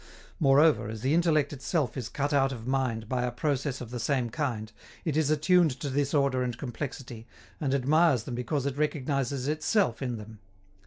Moreover, as the intellect itself is cut out of mind by a process of the same kind, it is attuned to this order and complexity, and admires them because it recognizes itself in them.